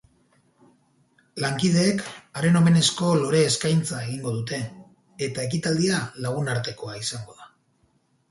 Lankideek haren omenezko lore eskaintza egingo dute, eta ekitaldia lagunartekoa izango da.